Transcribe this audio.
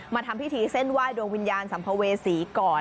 ทำพิธีเส้นไหว้ดวงวิญญาณสัมภเวษีก่อน